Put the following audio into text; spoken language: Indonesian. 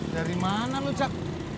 dari mana lu cak